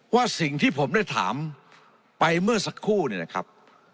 ว่าสิ่งที่ผมได้ถามไปเมื่อสักครู่เนี่ยนะครับ